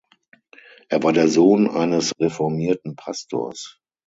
Er war der Sohn eines reformierten Pastors.